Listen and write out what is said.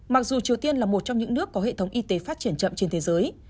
mặc dù triều tiên là một trong những nước có hệ thống y tế phát triển chậm trên thế giới